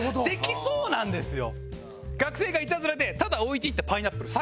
つまり学生がいたずらでただ置いていったパイナップル。